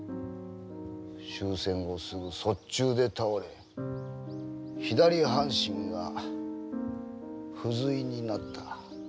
終戦後すぐ卒中で倒れ左半身が不随になった。